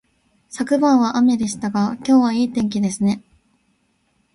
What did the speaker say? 昨晩は雨でしたが、今日はいい天気ですね